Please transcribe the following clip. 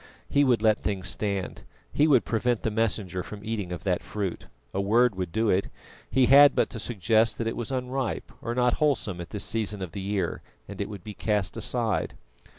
He would let things stand; he would prevent the Messenger from eating of that fruit. A word could do it; he had but to suggest that it was unripe or not wholesome at this season of the year, and it would be cast aside.